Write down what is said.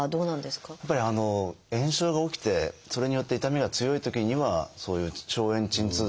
炎症が起きてそれによって痛みが強いときにはそういう消炎鎮痛剤。